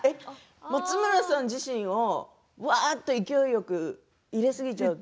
松村さん自身勢いよく入れすぎちゃうと。